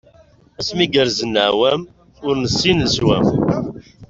Asmi gerzen leɛwam, ur nessin leswam.